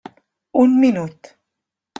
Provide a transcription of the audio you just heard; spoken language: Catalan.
Un minut.